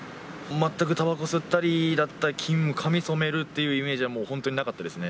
全くたばこ吸ったりだったり、髪染めるっていうイメージは、もう本当になかったですね。